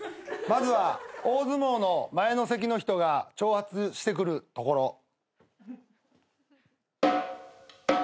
まずは大相撲の前の席の人が挑発してくるところ。